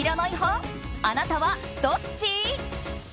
あなたはどっち？